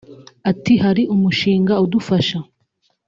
Ati “Hari umushinga udufasha